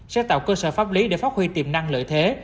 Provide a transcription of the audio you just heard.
sẽ tạo cơ sở pháp lý để phát huy tiềm năng lợi thế